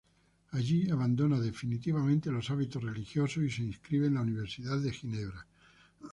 Allí abandona definitivamente los hábitos religiosos y se inscribe en la Universidad de Ginebra.